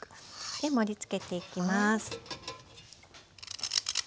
で盛りつけていきます。